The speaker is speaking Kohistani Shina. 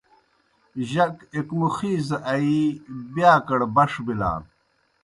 جک ایْک مُخِیزہ آیِی بِیاکڑ بݜ بِلان۔